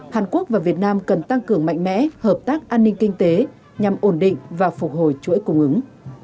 hàn quốc và việt nam cần tăng cường mạnh mẽ hợp tác an ninh kinh tế nhằm ổn định và phục hồi chuỗi cung ứng